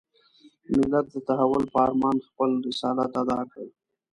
ملت د تحول په ارمان خپل رسالت اداء کړ.